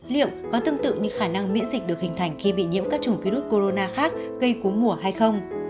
liệu có tương tự như khả năng miễn dịch được hình thành khi bị nhiễm các chủng virus corona khác gây cúm mùa hay không